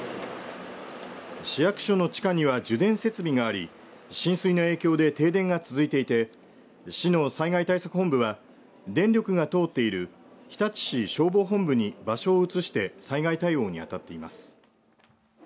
市役所の地下には受電設備があり浸水の影響で停電が続いていて市の災害対策本部は電力が通っている日立市消防本部に場所を移して災害対応に当たっています。